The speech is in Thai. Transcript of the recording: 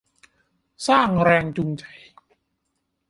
สร้างแรงจูงใจ